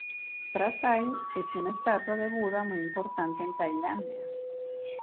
Pra Sai es una estatua de Buda muy importante en Tailandia.